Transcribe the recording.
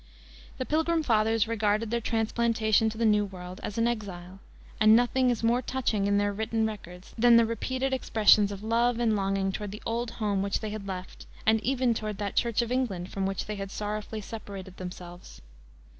The Pilgrim fathers regarded their transplantation to the New World as an exile, and nothing is more touching in their written records than the repeated expressions of love and longing toward the old home which they had left, and even toward that Church of England from which they had sorrowfully separated themselves.